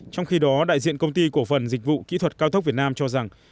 trong khi đó đại diện công ty cổ phần dịch vụ kỹ thuật cao tốc việt nam cho rằng